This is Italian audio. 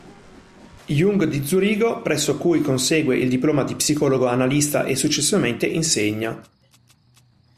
Jung di Zurigo, presso cui consegue il diploma di psicologo analista e successivamente insegna.